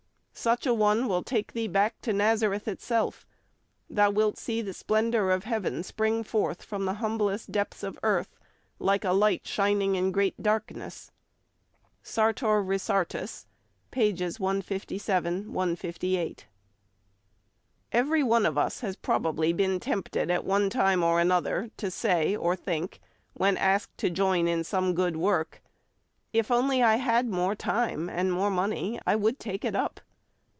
Such a one will take thee back to Nazareth itself; thou wilt see the splendour of Heaven spring forth from the humblest depths of Earth, like a light shining in great darkness."—Sartor Resartus, pp. 157, 158. EVERY one of us has probably been tempted at one time or another to say or think when asked to join in some good work, "If only I had more time or more money, I would take it up."